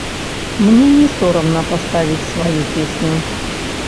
Мне не сорамна паставіць сваю песню.